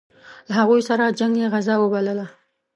له هغوی سره جنګ یې غزا وبلله.